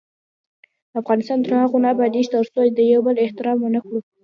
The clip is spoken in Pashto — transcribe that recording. افغانستان تر هغو نه ابادیږي، ترڅو د یو بل احترام ونه کړو.